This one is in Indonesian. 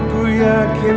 aku masih yakin